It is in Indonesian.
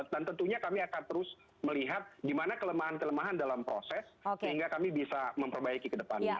dan tentunya kami akan terus melihat di mana kelemahan kelemahan dalam proses sehingga kami bisa memperbaiki ke depannya